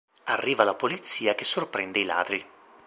Arriva la polizia che sorprende i ladri.